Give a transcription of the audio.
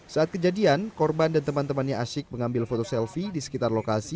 saat kejadian korban dan teman temannya asyik mengambil foto selfie di sekitar lokasi